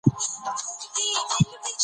هغه وويل چې ملي نمانځنې مهمې دي.